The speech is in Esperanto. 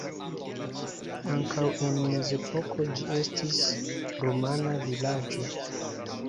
Ankaŭ en mezepoko ĝi estis rumana vilaĝo.